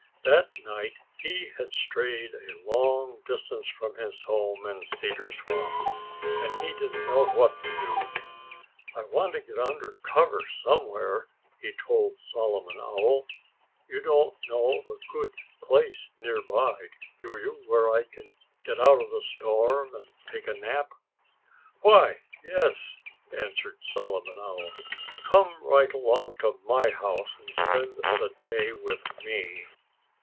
That night he had strayed a long distance from his home in Cedar Swamp. And he didn't know what to do. "I want to get under cover, somewhere," he told Solomon Owl. "You don't know of a good place near by, do you, where I can get out of the storm and take a nap?" "Why, yes!" answered Solomon Owl. "Come right along to my house and spend the day with me!"